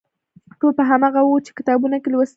ټول به هماغه و چې په کتابونو کې یې لوستي وو.